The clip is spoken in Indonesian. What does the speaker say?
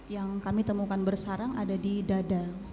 yang kami temukan bersarang ada di dada